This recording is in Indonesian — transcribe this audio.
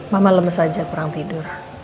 mama lemes aja kurang tidur